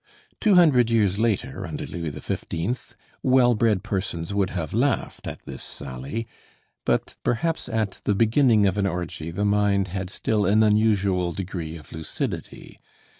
Two hundred years later, under Louis XV, well bred persons would have laughed at this sally. But perhaps at the beginning of an orgy the mind had still an unusual degree of lucidity.